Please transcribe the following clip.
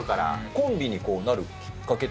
コンビになるきっかけって。